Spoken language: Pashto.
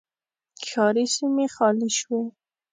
ښاري سیمې خالي شوې.